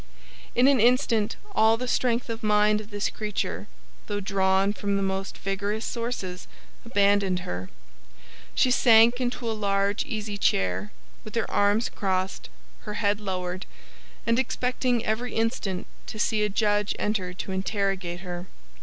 In an instant all the strength of mind of this creature, though drawn from the most vigorous sources, abandoned her; she sank into a large easy chair, with her arms crossed, her head lowered, and expecting every instant to see a judge enter to interrogate her.